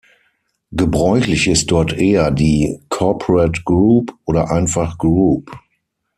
Gebräuchlich ist dort eher die „corporate group“ oder einfach „group“.